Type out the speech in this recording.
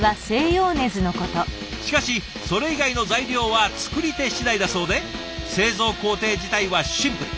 しかしそれ以外の材料は作り手次第だそうで製造工程自体はシンプル。